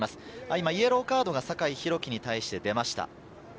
今イエローカードが酒井宏樹に対して出ました。